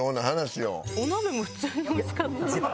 お鍋も普通に美味しかった。